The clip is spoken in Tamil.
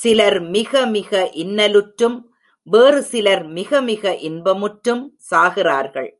சிலர் மிகமிக இன்னலுற்றும் வேறுசிலர் மிகமிக இன்பமுற்றும் சாகிறார்கள்.